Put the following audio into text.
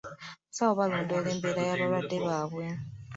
Abasawo balondoola embeera y'abalwadde baabwe.